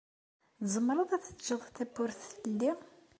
Tzemreḍ ad teǧǧeḍ tawwurt teldi?